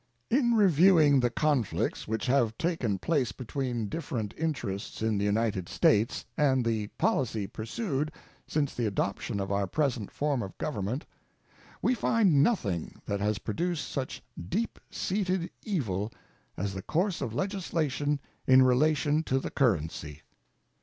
In reviewing the conflicts which have taken place between different interests in the United States and the policy pursued since the adoption of our present form of Government, we find nothing that has produced such deep seated evil as the course of legislation in relation to the currency.